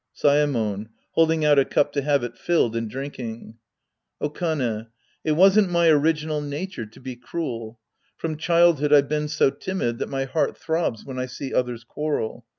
Saemon {holding out a cup to have it fiU'ed and drink ing). Okane. It wasn't my original nature to be cruel. From childhood I've been so timid tJiat my heart throbs when I see others quarrel.